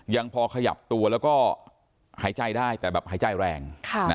ยังพอขยับตัวแล้วก็หายใจได้แต่แบบหายใจแรง